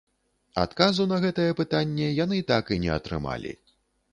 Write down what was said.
Адказу на гэтае пытанне яны так і не атрымалі.